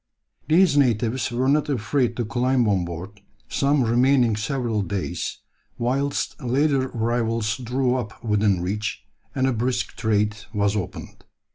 These natives were not afraid to climb on board, some remaining several days, whilst later arrivals drew up within reach, and a brisk trade was opened.